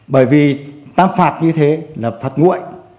bởi vì tám phạt như thế là phạt nguội